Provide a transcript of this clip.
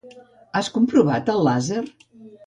Has comprovat el làser?